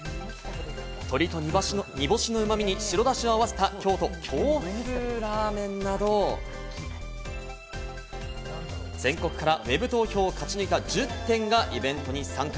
鶏と煮干しの旨味に白だしを合わせた京都・京風ラーメンなど全国からＷｅｂ投票を勝ち抜いた１０点がイベントに参加。